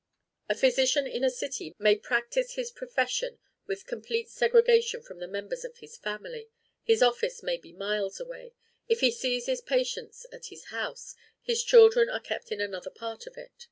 A physician in a city may practise his profession with complete segregation from the members of his family; his office may be miles away; if he sees his patients in his house, his children are kept in another part of it.